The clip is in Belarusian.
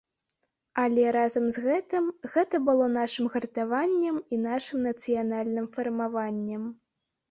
Але, разам з тым, гэта было нашым гартаваннем і нашым нацыянальным фармаваннем.